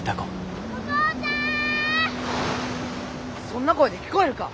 そんな声で聞こえるか！